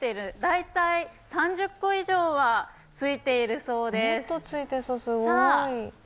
大体３０個以上はついているそうです。